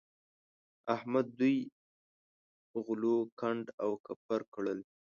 احمد دوی غلو کنډ او کپر کړل.